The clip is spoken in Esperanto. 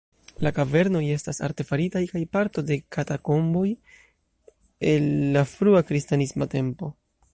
La kavernoj estas artefaritaj kaj parto de katakomboj el la frua kristanisma tempo.